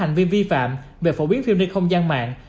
hành vi vi phạm về phổ biến phim trên không gian mạng